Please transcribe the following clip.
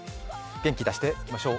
元気出していきましょう。